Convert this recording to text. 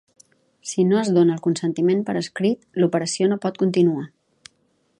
Si no es dona el consentiment per escrit, l'operació no pot continuar.